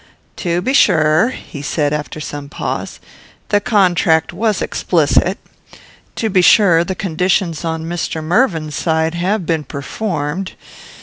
"To be sure," said he, after some pause, "the contract was explicit. To be sure, the conditions on Mr. Mervyn's side have been performed.